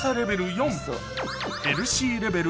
４ヘルシーレベル